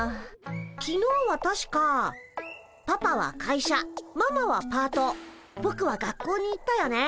きのうはたしかパパは会社ママはパートぼくは学校に行ったよね。